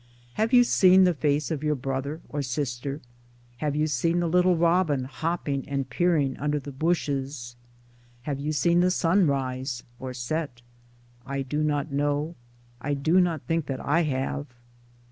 Have you seen the face of your brother or sister? have you seen the little robin hopping and peering under Towards Democracy 91 the bushes ? have you seen the sun rise, or set ? I do not know — I do not think that I have.